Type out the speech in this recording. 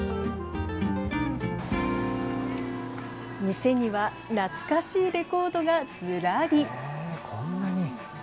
店には懐かしいレコードがずらり。